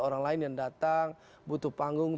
orang lain yang datang butuh panggung